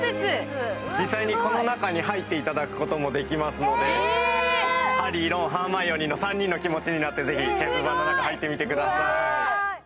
実際にこの中に入っていただくこともできますのでハリー、ロン、ハーマイオニーの３人の気持ちになってぜひチェスの中に入ってみてください。